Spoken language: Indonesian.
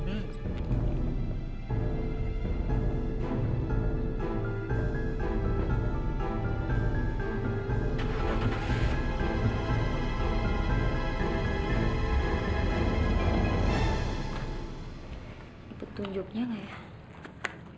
ini petunjuknya nggak ya